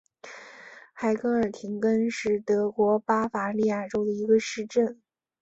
海梅尔廷根是德国巴伐利亚州的一个市镇。